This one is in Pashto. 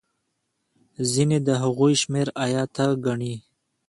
ځینې د هغوی شمېر ایته ګڼي.